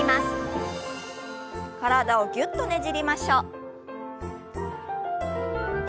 体をぎゅっとねじりましょう。